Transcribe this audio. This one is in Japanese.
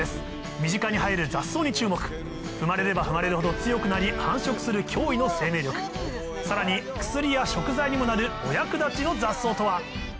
身近に生える雑草に注目踏まれれば踏まれるほど強くなり繁殖する驚異の生命力さらに薬や食材にもなるお役立ちの雑草とは？